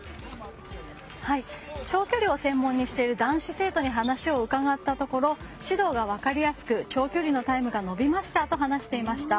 長距離を専門にしている男子生徒に話を伺ったところ指導が分かりやすく長距離のタイムが伸びましたと話していました。